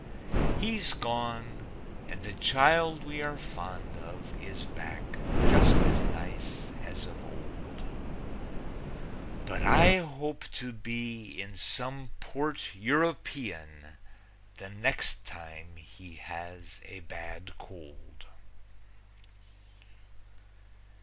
He's gone, and the child we are fond of Is back, just as nice as of old. But I hope to be in some port European The next time he has a bad cold.